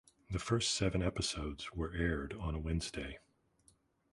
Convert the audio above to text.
The first seven episodes were aired on a Wednesday.